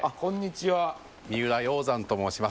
三浦耀山と申します。